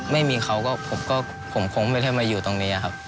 ไม่มีเขาก็ผมคงไม่ได้มาอยู่ตรงนี้ครับ